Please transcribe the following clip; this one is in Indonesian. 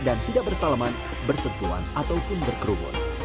dan tidak bersalaman bersentuhan ataupun berkerumun